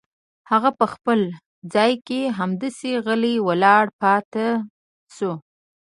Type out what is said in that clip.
هغه په خپل ځای کې همداسې غلې ولاړه پاتې شوه.